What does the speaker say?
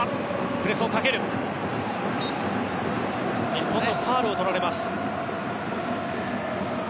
日本のファウルをとられます。